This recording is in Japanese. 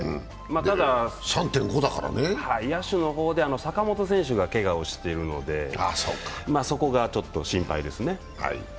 ただ、野手の方で坂本選手がけがをしているのでそこがちょっと心配ですね。